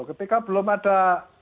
ketika belum ada